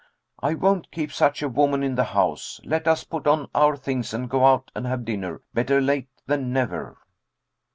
I won't keep such a woman in the house. Let us put on our things and go out and have dinner. Better late than never."